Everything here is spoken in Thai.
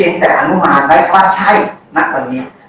เพียงแต่อนุมารไว้ว่าใช่นักศัพท์นี้